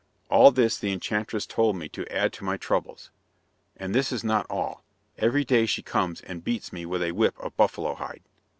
All this the enchantress told me to add to my troubles. And this is not all. Every day she comes and beats me with a whip of buffalo hide.